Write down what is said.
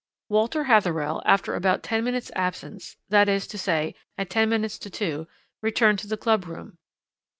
"Walter Hatherell, after about ten minutes' absence, that is to say at ten minutes to two, returned to the club room.